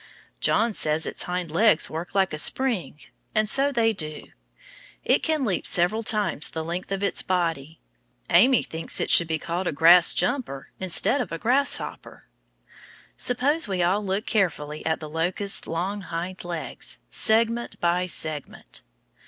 John says its hind legs work just like a spring, and so they do. It can leap several times the length of its body. Amy thinks it should be called a grass jumper instead of a grasshopper. Suppose we all look carefully at the locust's long hind leg, segment by segment.